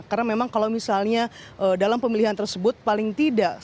karena memang kalau misalnya dalam pemilihan tersebut paling tidak